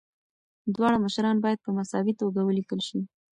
دواړه مشران باید په مساوي توګه ولیکل شي.